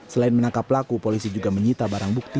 selain menangkap pelaku polisi juga menyita barang bukti